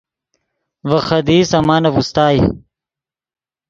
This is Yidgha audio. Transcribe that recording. ڤے خدیئی سامانف اوستائے